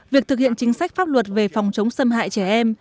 việc thực hiện chính sách pháp luật về phòng chống xâm hại trẻ em